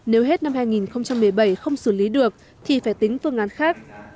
nếu hết năm hai nghìn một mươi bảy không xử lý được thì phải tính phương án khác